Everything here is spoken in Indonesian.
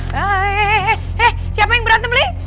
heheheh siapa yang berantem li